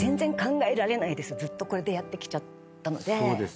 ずっとこれでやってきちゃったので。